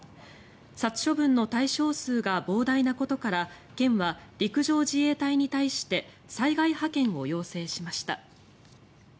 殺処分の対象数が膨大なことから県は陸上自衛隊に対して災害派遣を要請しました。